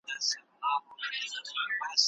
په څېړنه کې باید له بې صبرۍ څخه ډډه وسی.